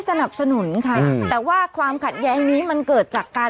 สนับสนุนค่ะแต่ว่าความขัดแย้งนี้มันเกิดจากการ